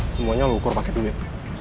semuanya lo ukur pake duit